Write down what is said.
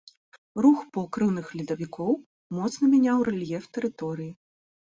Рух покрыўных ледавікоў моцна мяняў рэльеф тэрыторыі.